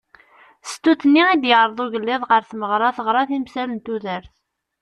Stut-nni i d-yeɛreḍ ugelliḍ ɣer tmeɣra teɣra timsal n tudert.